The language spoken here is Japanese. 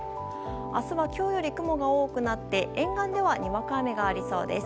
明日は今日より雲が多くなって沿岸ではにわか雨がありそうです。